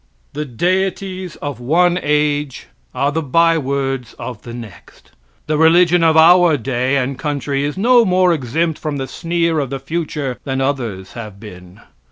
The deities of one age are the by words of the next. The religion of our day, and country, is no more exempt from the sneer of the future than others have been.